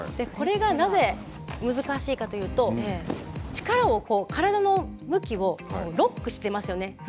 これがなぜ難しいかというと力を体の向きをロックしてますよね。